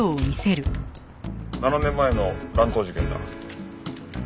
７年前の乱闘事件だ。